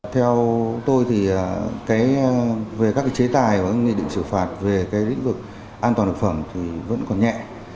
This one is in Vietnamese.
theo tôi thì về các cái chế tài và nghị định xử phạt về cái lĩnh vực an toàn thực phẩm thì vẫn còn nhẹ